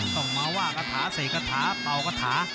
ต้องมาว่ากระถาเสกกระถาเป่ากระถา